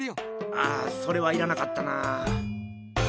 ああそれはいらなかったなあ。